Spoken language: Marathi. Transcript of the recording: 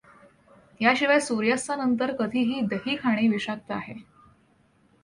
या शिवाय सूर्यास्ता नंतर कधीही दही खाणे विशाक्त आहे.